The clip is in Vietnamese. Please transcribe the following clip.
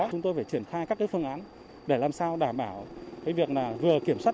chúng tôi phải triển khai các phương án để làm sao đảm bảo cái việc là vừa kiểm soát